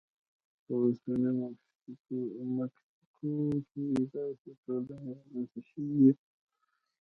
په اوسنۍ مکسیکو کې داسې ټولنې رامنځته شوې وې.